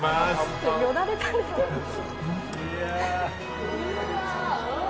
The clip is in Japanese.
よだれ垂れてます。